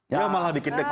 ya malah bikin dekat